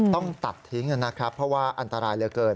ต้องตัดทิ้งนะครับเพราะว่าอันตรายเหลือเกิน